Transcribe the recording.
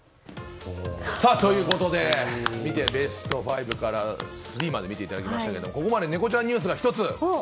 ということで、ベスト５から３位まで見ていただきましたがここまでネコちゃんニュースが１つ。